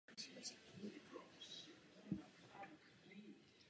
Na Sokol nevede žádná značená ani neznačená cesta.